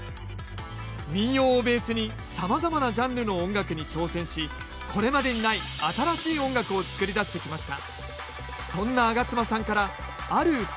民謡をベースにさまざまなジャンルの音楽に挑戦しこれまでにない新しい音楽を作り出してきました。